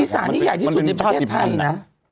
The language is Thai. สานี่ใหญ่ที่สุดในประเทศไทยนะ